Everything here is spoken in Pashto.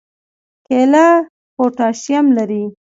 کیله پوټاشیم لري